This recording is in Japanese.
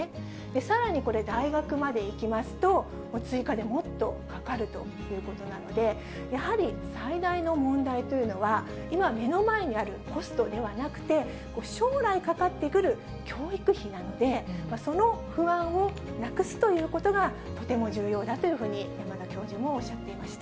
さらにこれ、大学まで行きますと、追加でもっとかかるということなので、やはり最大の問題というのは、今、目の前にあるコストではなくて、将来かかってくる教育費なので、その不安をなくすということが、とても重要だというふうに、山田教授もおっしゃっていました。